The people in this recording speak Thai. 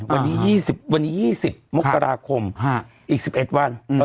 วันนี้ยี่สิบวันนี้ยี่สิบมกราคมฮะอีกสิบเอ็ดวันอืม